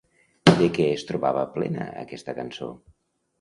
De què es trobava plena aquesta cançó?